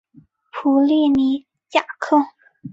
普利尼亚克。